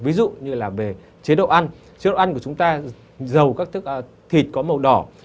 ví dụ như là về chế độ ăn chế độ ăn của chúng ta dầu các thức thịt có màu đỏ